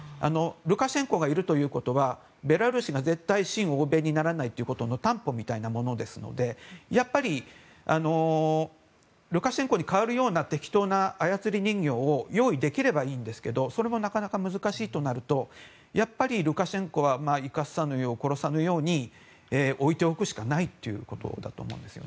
ルカシェンコがいるということはベラルーシが絶対に親欧米にならないということの担保みたいなことなのでルカシェンコに代わるような適当な操り人形を用意できればいいんですけどそれもなかなか難しいとなるとやっぱりルカシェンコは生かさぬよう殺さぬように置いておくしかないということだと思います。